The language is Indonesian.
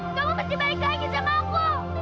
kamu mesti balik lagi sama aku